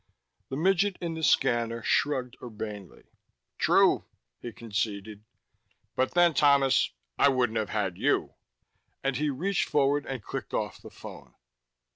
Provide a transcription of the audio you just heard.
The midget in the scanner shrugged urbanely. "True," he conceded. "But then, Thomas, I wouldn't have had you." And he reached forward and clicked off the phone.